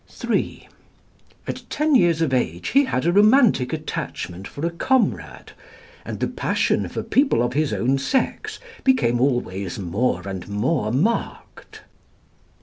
(3) "At ten years of age he had a romantic attachment for a comrade; and the passion for people of his own sex became always more and more marked."